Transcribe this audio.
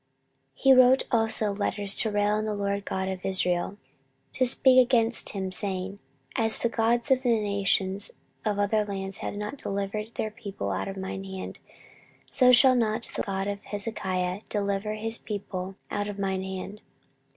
14:032:017 He wrote also letters to rail on the LORD God of Israel, and to speak against him, saying, As the gods of the nations of other lands have not delivered their people out of mine hand, so shall not the God of Hezekiah deliver his people out of mine hand.